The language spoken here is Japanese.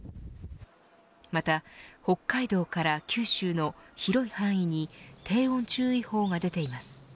また、北海道から九州の広い範囲に低温注意報が出ています。